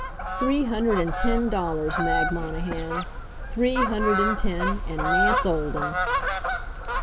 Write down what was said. Three hundred and ten dollars, Mag Monahan. Three hundred and ten, and Nance Olden!